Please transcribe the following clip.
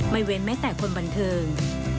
เว้นแม้แต่คนบันเทิง